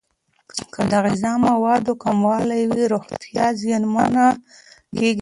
که د غذا موادو کموالی وي، روغتیا زیانمن کیږي.